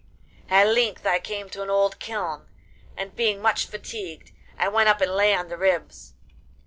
At length I came to an old kiln, and being much fatigued I went up and lay on the ribs.